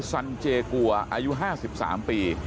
สันเจกัวอายุ๕๓ปี